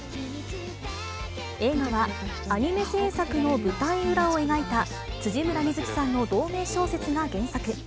映画は、アニメ制作の舞台裏を描いた、辻村深月さんの同名小説が原作。